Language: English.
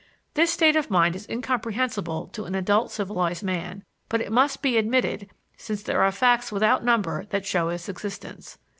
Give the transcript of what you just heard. This state of mind is incomprehensible to an adult civilized man; but it must be admitted, since there are facts without number that show its existence.